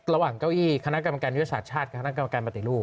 ระหว่างเก้าอี้คณะกรรมการยุทธศาสตร์ชาติคณะกรรมการปฏิรูป